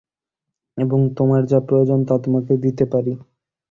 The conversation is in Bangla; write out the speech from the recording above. এবং তোমার যা প্রয়োজন তা তোমাকে দিতে পারি।